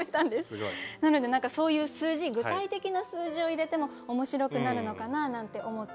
なのでそういう数字具体的な数字を入れても面白くなるのかななんて思って。